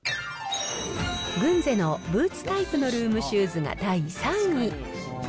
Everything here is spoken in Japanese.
グンゼのブーツタイプのルームシューズが第３位。